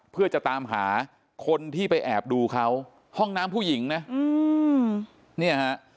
เพื่อจะตามหาคนที่ไปแอบดูเขาห้องน้ำผู้หญิงนะอืมเนี่ยฮะ